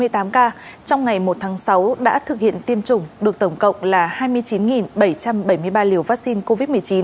trong ngày một tháng sáu đã thực hiện tiêm chủng được tổng cộng là hai mươi chín bảy trăm bảy mươi ba liều vaccine covid một mươi chín